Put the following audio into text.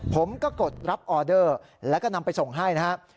ผมก็กดรับออเดอร์แล้วก็นำไปส่งให้นะฮะ